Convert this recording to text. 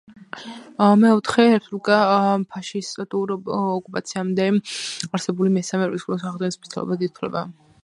მეოთხე რესპუბლიკა ფაშისტურ ოკუპაციამდე არსებული მესამე რესპუბლიკის აღდგენის მცდელობად ითვლება.